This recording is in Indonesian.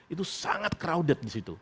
itu sangat crowded di situ